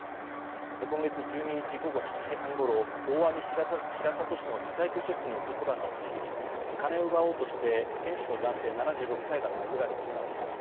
今月１２日午後７時半ごろ大網白里市のリサイクルショップに男らが押し入り金を奪おうとして店主の男性７６歳が殴られけがをしました。